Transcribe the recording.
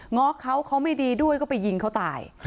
ง้อเขาเขาไม่ดีด้วยก็ไปยิงเขาตาย